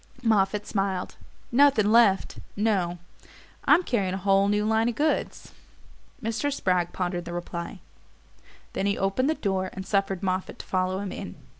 Moffatt smiled. "Nothing LEFT no; I'm carrying a whole new line of goods." Mr. Spragg pondered the reply; then he opened the door and suffered Moffatt to follow him in.